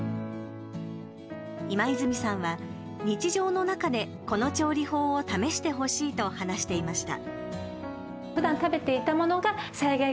今泉さんは、日常の中でこの調理法を試してほしいと話していました。